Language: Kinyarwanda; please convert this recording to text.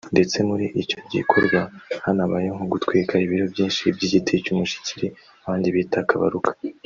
ndetse muri icyo gikorwa hanabayeho gutwika ibiro byinshi by’igiti cy’umushikiri abandi bita Kabaruka